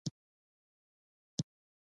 له ټیک ټاک به لایو راتللی